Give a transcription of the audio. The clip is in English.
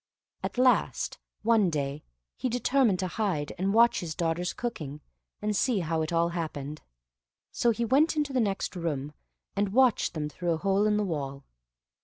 At last, one day, he determined to hide, and watch his daughters cooking, and see how it all happened; so he went into the next room, and watched them through a hole in the wall.